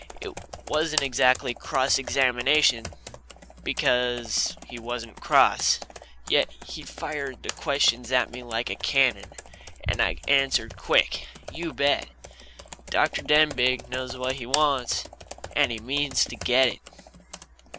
It wasn't exactly cross examination, because he wasn't cross, yet he fired the questions at me like a cannon, and I answered quick, you bet. Dr. Denbigh knows what he wants, and he means to get it.